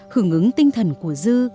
hưởng ứng tinh thần của dư